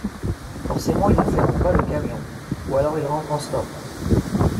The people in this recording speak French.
Forcément, il ne ferme pas le camion. Ou alors il rentre en stop